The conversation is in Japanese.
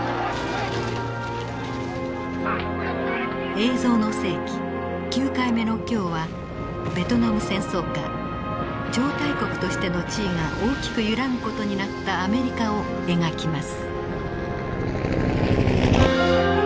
「映像の世紀」９回目の今日はベトナム戦争下超大国としての地位が大きく揺らぐ事になったアメリカを描きます。